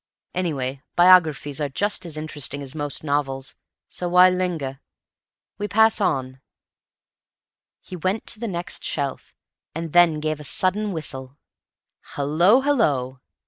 Anyway, biographies are just as interesting as most novels, so why linger? We pass on." He went to the next shelf, and then gave a sudden whistle. "Hallo, hallo!"